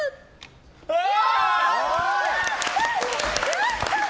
やったー！